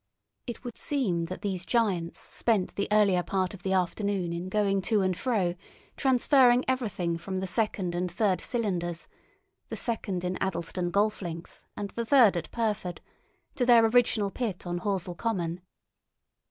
It would seem that these giants spent the earlier part of the afternoon in going to and fro, transferring everything from the second and third cylinders—the second in Addlestone Golf Links and the third at Pyrford—to their original pit on Horsell Common.